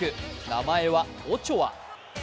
名前はオチョア。